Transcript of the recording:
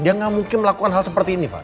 dia nggak mungkin melakukan hal seperti ini pak